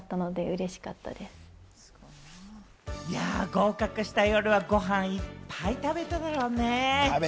合格した夜はごはん、いっぱい食べただろうね。